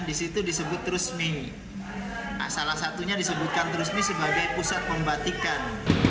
di situ disebut rusmi salah satunya disebutkan trusmi sebagai pusat pembatikan